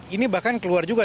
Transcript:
ini bahkan keluar juga